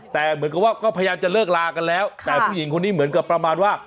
แต่เหมือนกับว่าก็พยายามจะเลิกลากันแล้วแต่ผู้หญิงคนนี้เหมือนกับประมาณว่า